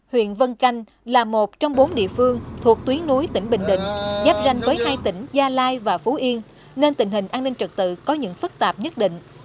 huyện vân canh là một trong bốn địa phương thuộc tuyến nối tỉnh bình định giáp ranh với hai tỉnh gia lai và phú yên nên tình hình an ninh trật tự có những phức tạp nhất định